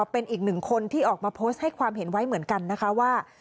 เป็นอีกหนึ่งคนที่ออกมาโพสต์ให้ความเห็นไว้เหมือนกันนะคะว่า